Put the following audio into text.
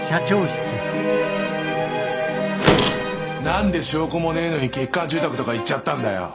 何で証拠もねえのに欠陥住宅とか言っちゃったんだよ！